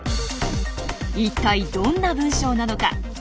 一体どんな文章なのか？